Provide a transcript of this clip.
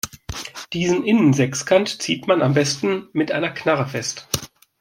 Diesen Innensechskant zieht man am besten mit einer Knarre fest.